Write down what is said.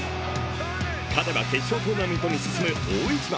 勝てば決勝トーナメントに進む大一番。